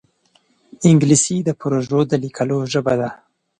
انګلیسي د پروژو د لیکلو ژبه ده